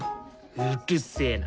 うるせな。